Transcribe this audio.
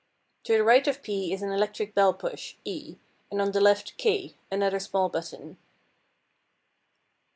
To the right of P is an electric bell push, E, and on the left K, another small button.